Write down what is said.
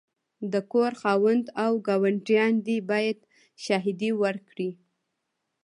د کور خاوند او ګاونډیان دي باید شاهدې ورکړې.